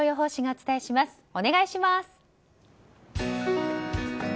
お願いします。